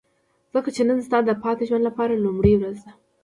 ځکه چې نن ستا د پاتې ژوند لپاره لومړۍ ورځ ده.